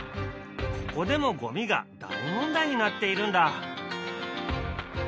ここでもゴミが大問題になっているんだ。